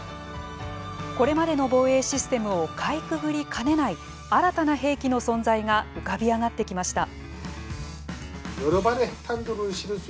これまでの防衛システムをかいくぐりかねない新たな兵器の存在が浮かび上がってきました。